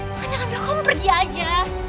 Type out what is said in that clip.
aku hanya ngambil kamu pergi aja